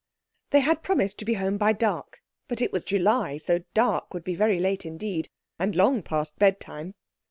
They had promised to be home by dark, but it was July, so dark would be very late indeed, and long past bedtime.